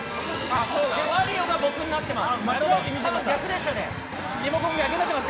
ワリオが僕になっています。